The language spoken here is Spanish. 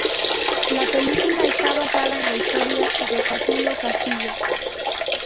La película está basada en la historia de Catulo Castillo.